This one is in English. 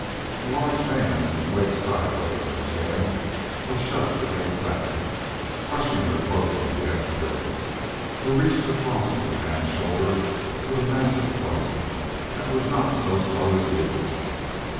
A large man, wedged sidewise in the jam, was shoved against Saxon, crushing her closely against Billy, who reached across to the man's shoulder with a massive thrust that was not so slow as usual.